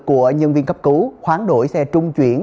của nhân viên cấp cứu khoán đổi xe trung chuyển